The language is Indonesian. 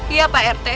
iya pak rt